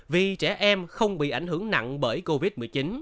vì trẻ em không bị ảnh hưởng nặng bởi covid một mươi chín